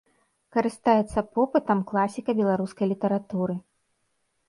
Карыстаецца попытам класіка беларускай літаратуры.